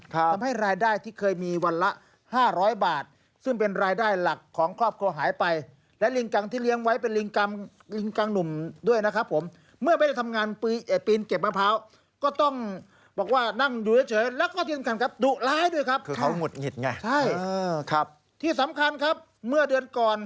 ขายด้วยครับครับใช่ครับที่สำคัญครับเมื่อเดือนก่อน